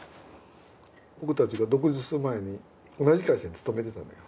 僕たちが独立する前に同じ会社に勤めてたのよ。